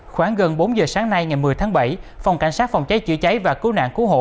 khoảng gần bốn giờ sáng nay ngày một mươi tháng bảy phòng cảnh sát phòng cháy chữa cháy và cứu nạn cứu hộ